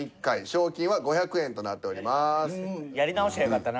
賞金は５００円となっております。